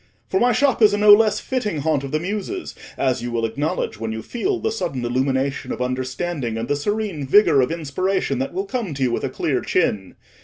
"For my shop is a no less fitting haunt of the Muses, as you will acknowledge when you feel the sudden illumination of understanding and the serene vigour of inspiration that will come to you with a clear chin.